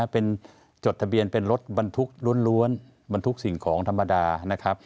เป็นจดทะเบียนเป็นรถบรรทุกล้วนบรรทุกสิ่งของธรรมดานะครับ